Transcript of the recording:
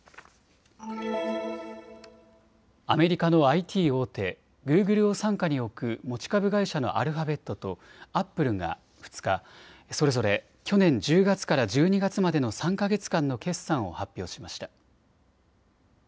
アメリカのＩＴ大手、グーグルを傘下に置く持ち株会社のアルファベットとアップルが２日、それぞれ去年１０月から１２月までの３か月間の決算を発表しました。